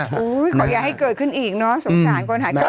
อู๋เขาอยากให้เกิดขึ้นอีกเนอะสงสารคนหาเช้า